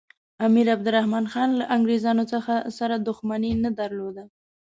امیر عبدالرحمن خان له انګریزانو سره دښمني نه درلوده.